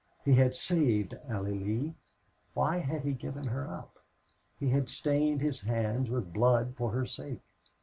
He had saved Allie Lee! Why had he given her up? He had stained his hands with blood for her sake.